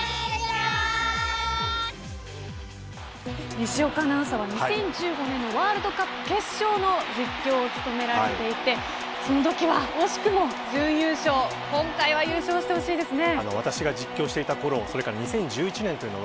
西岡アナウンサーは２０１５年のワールドカップ決勝の実況を務められていてそのときは惜しくも準優勝今回は優勝してほしいですね。